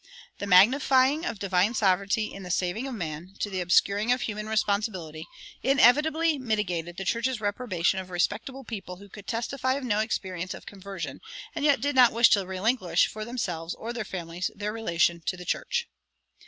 The magnifying of divine sovereignty in the saving of men, to the obscuring of human responsibility, inevitably mitigated the church's reprobation of respectable people who could testify of no experience of conversion, and yet did not wish to relinquish for themselves or their families their relation to the church.